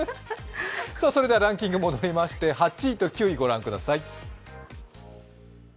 それではランキングに戻りまして８位と９位を御覧ください。